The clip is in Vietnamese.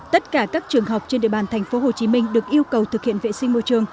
tất cả các trường học trên địa bàn tp hcm được yêu cầu thực hiện vệ sinh môi trường